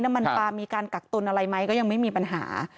น้ำมันปลามีการกักตุนอะไรไหมก็ยังไม่มีปัญหา